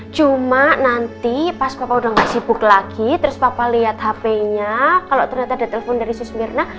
cuma nanti pas papa udah gak sibuk lagi terus papa liat hpnya kalo ternyata ada telepon dari sus mirna